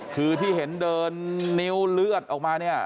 คือที่เห็นเดินนิ้วเลือดออกมาเนี่ย